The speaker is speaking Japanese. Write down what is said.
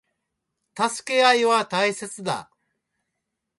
助け合いは大切だ。